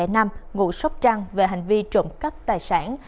ngụ sốc trăng về hành vi trộm cắt tài sản